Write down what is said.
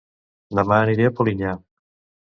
Dema aniré a Polinyà